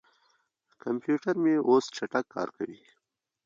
کمپیوټر مې اوس چټک کار کوي.